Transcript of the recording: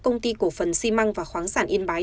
công ty cổ phần xi măng và khoáng sản yên bái